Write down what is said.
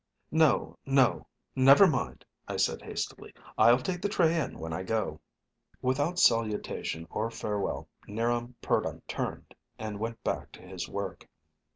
"No, no! Never mind!" I said hastily. "I'll take the tray in when I go." Without salutation or farewell 'Niram Purdon turned and went back to his work.